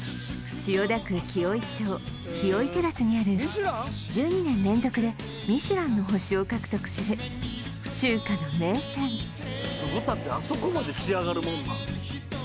千代田区紀尾井町紀尾井テラスにある１２年連続でミシュランの星を獲得する中華の名店酢豚ってあそこまで仕上がるもんなん？